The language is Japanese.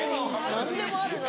何でもあるな。